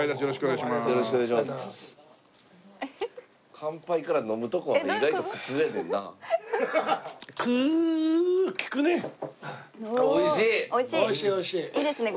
いいですね